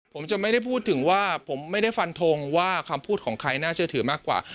ผมจะไม่ได้พูดถึงว่าผมไม่ได้ฟันทงว่าคำพูดของใครน่าเชื่อถือมากกว่า